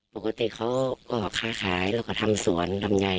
ปกติเขาก็ค้าขายแล้วก็ทำสวนลำไย